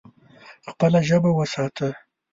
خپله ژبه وساته.